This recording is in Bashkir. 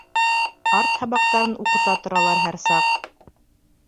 Арт һабаҡтарын уҡыта торалар һәр саҡ.